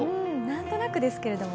何となくですけれども。